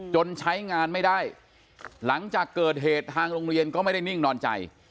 ใช้งานไม่ได้หลังจากเกิดเหตุทางโรงเรียนก็ไม่ได้นิ่งนอนใจ